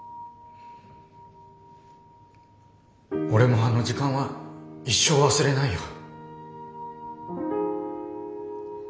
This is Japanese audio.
俺もあの時間は一生忘れないよ。